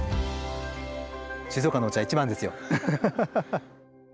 静岡のお茶が一番ですよハハハ！